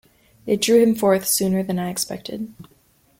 It drew him forth sooner than I expected.